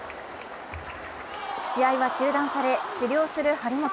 試合は中断され、治療する張本。